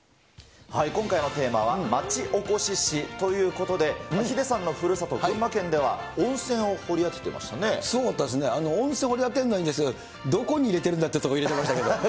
今回のテーマは町おこし史ということで、ヒデさんのふるさと、群馬県では温泉を掘り当ててましそうですね、温泉掘り当てるのはいいんですけど、どこに入れてるんだってとこ入れてましたけど。